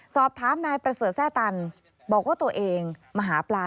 สอบถามนายประเสริฐแร่ตันบอกว่าตัวเองมาหาปลา